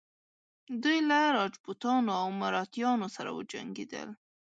دوی له راجپوتانو او مراتیانو سره وجنګیدل.